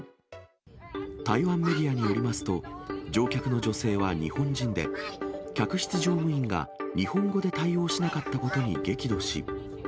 台湾メディアによりますと、乗客の女性は日本人で、客室乗務員が日本語で対応しなかったことに激怒し。